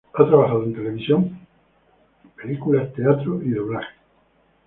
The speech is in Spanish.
Ha trabajado en televisión, películas, teatro y doblaje.